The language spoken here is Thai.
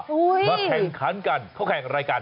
มาแข่งขันกันเขาแข่งรายการ